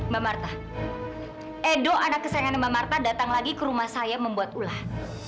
mbak marta edo anak kesayangannya mbak marta datang lagi ke rumah saya membuat ulah